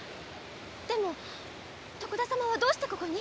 でも徳田様はどうしてここに？